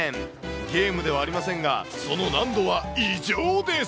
ゲームではありませんが、その難度は異常です。